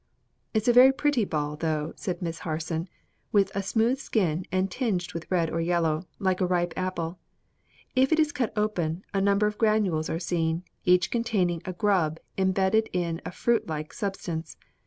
"It's a very pretty ball, though," said Miss Harson, "with a smooth skin and tinged with red or yellow, like a ripe apple. If it is cut open, a number of granules are seen, each containing a grub embedded in a fruit like substance.